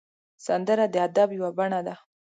سندره د ادب یو بڼه ده